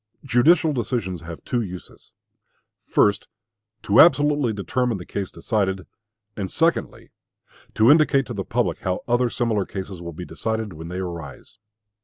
Judicial decisions have two uses first, to absolutely determine the case decided, and, secondly, to indicate to the public how other similar cases will be decided when they arise.